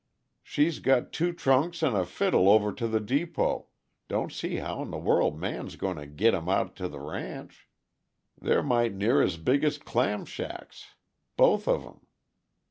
"She's got two trunks and a fiddle over to the depot don't see how 'n the world Man's going to git 'em out to the ranch; they're might' near as big as claim shacks, both of 'em.